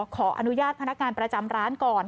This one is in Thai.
ขออนุญาตพนักงานประจำร้านก่อน